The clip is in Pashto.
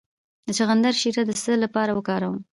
د چغندر شیره د څه لپاره وکاروم؟